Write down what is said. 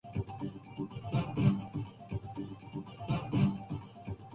یہ ملک بلخصوص یہ علاقہ ایسے جانوروں کے لیے نہیں ہے